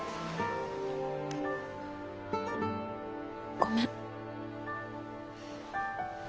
ごめん。